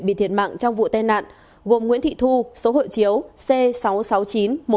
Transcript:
bị thiệt mạng trong vụ tai nạn gồm nguyễn thị thu số hộ chiếu c sáu triệu sáu trăm chín mươi một nghìn ba mươi ba